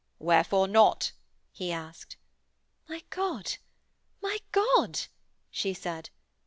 'Wherefore not?' he asked. 'My God! my God!' she said.